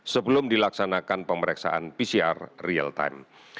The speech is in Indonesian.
sebelum dilaksanakan pemeriksaan pcr real time